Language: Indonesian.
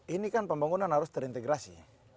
ini kan pembangunan harus terintegrasi